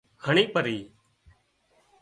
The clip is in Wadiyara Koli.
هڻي پرِي